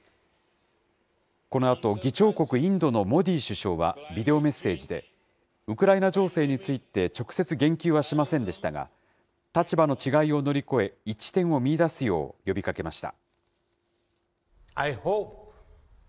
このあと、議長国インドのモディ首相は、ビデオメッセージで、ウクライナ情勢について直接言及はしませんでしたが、立場の違いを乗り越え、一致点を見いだすよう呼びかけました。